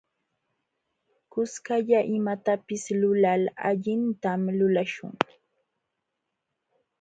Kuskalla imatapis lulal allintam lulaśhun.